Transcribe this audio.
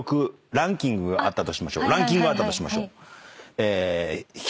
ランキングがあったとしましょう。